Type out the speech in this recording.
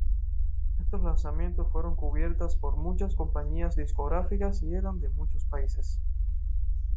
Estos lanzamientos fueron cubiertas por muchas compañías discográficas y eran de muchos países.